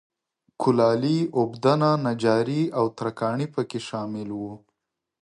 کولالي، اوبدنه، نجاري او ترکاڼي په کې شامل و.